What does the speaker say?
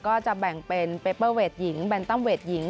ก็จะแบ่งเป็นเปเปอร์เวทหญิงแนนตั้มเวทหญิง